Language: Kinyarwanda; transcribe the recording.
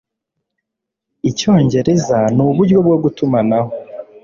Icyongereza nuburyo bwo gutumanaho.